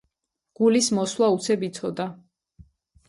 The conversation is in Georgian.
გულის მოსვლა უცებ იცოდა.